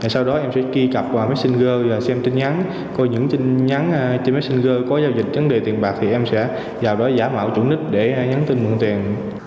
sau đó em sẽ ghi cập vào messenger và xem tin nhắn có những tin nhắn trên messenger có giao dịch vấn đề tiền bạc thì em sẽ vào đó giả mạo chủ ních để nhắn tin mượn tiền